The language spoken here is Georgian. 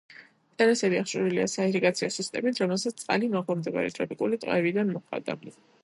ტერასები აღჭურვილია საირიგაციო სისტემით, რომელსაც წყალი მაღლა მდებარე ტროპიკული ტყეებიდან მოყავდა.